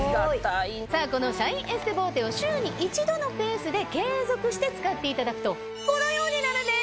さぁこのシャインエステボーテを週に１度のペースで継続して使っていただくとこのようになるんです。